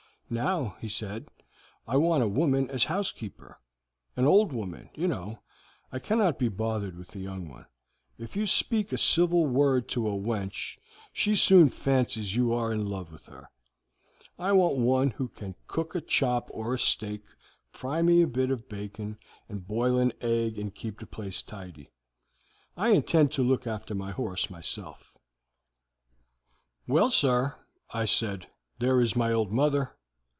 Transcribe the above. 'Now,' he said, 'I want a woman as house keeper; an old woman, you know. I cannot be bothered with a young one. If you speak a civil word to a wench she soon fancies you are in love with her. I want one who can cook a chop or a steak, fry me a bit of bacon, and boil an egg and keep the place tidy. I intend to look after my horse myself.' "'Well, sir,' I said, 'there is my old mother.